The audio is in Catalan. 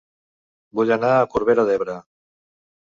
Vull anar a Corbera d'Ebre